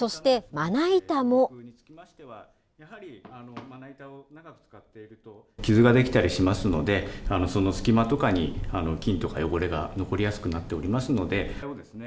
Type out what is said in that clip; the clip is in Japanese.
まな板を長く使ってると傷ができたりしますのでその隙間とか菌とか汚れが残りやすくなっておりますので。